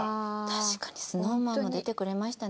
確かにＳｎｏｗＭａｎも出てくれましたね。